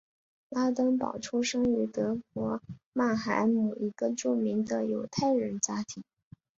拉登堡出生于德国曼海姆一个著名的犹太人家庭。